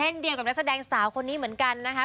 เดียวกับนักแสดงสาวคนนี้เหมือนกันนะคะ